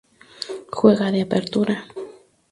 Juega de Apertura.